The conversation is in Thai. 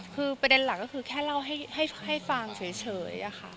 คือประเด็นหลักก็คือแค่เล่าให้ฟังเฉยค่ะ